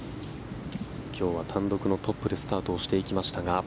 今日は単独のトップでスタートをしていきましたが。